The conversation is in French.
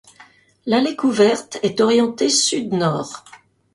L'allée couverte est orientée sud-nord.